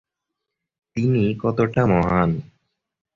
তিনি কতটা মহান?